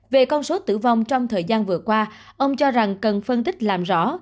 về con số tử vong trong thời gian vừa qua ông cho rằng cần phân tích làm rõ